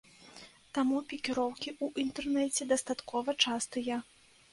Таму пікіроўкі ў інтэрнэце дастаткова частыя.